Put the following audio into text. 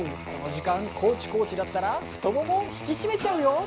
この時間知コーチだったら太ももを引き締めちゃうよ！